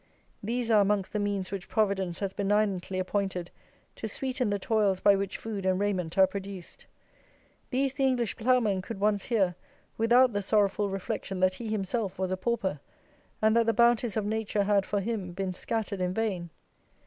These are amongst the means which Providence has benignantly appointed to sweeten the toils by which food and raiment are produced; these the English Ploughman could once hear without the sorrowful reflection that he himself was a pauper, and that the bounties of nature had, for him, been scattered in vain!